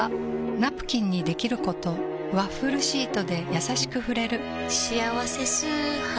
ナプキンにできることワッフルシートでやさしく触れる「しあわせ素肌」